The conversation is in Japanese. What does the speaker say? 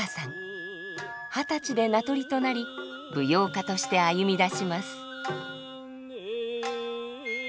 二十歳で名取となり舞踊家として歩みだします。